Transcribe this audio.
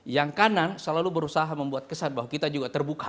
yang kanan selalu berusaha membuat kesan bahwa kita juga terbuka